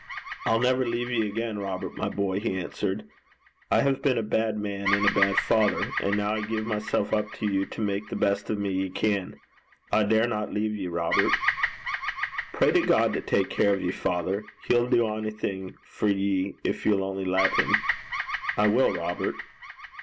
'I'll never leave ye again, Robert, my boy,' he answered. 'I have been a bad man, and a bad father, and now I gie mysel' up to you to mak the best o' me ye can. I daurna leave ye, Robert.' 'Pray to God to tak care o' ye, father. He'll do a'thing for ye, gin ye'll only lat him.' 'I will, Robert.'